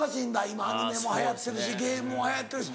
今アニメも流行ってるしゲームも流行ってるし。